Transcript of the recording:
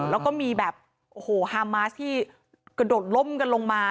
และก็มีฮามาสตที่กระโดดล่มกันลงมา